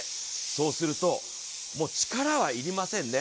そうすると力は要りませんね。